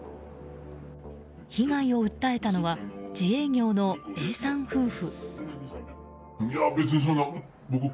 被害を訴えたのは自営業のＡさん夫婦。